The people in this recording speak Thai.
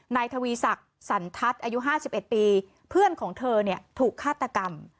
นายทวีศักดิ์สันทัศน์อายุ๕๑ปีเพื่อนของเธอเนี่ยถูกฆาตกรรม